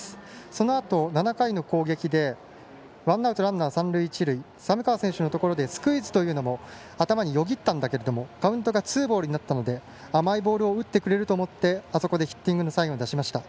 そのあと、７回の攻撃でワンアウトランナー、三塁一塁寒川選手のところで、スクイズも頭によぎったんだけれどもカウントがツーボールになったので甘いボールを打ってくれると思ってあそこでヒッティングのサインを出しました。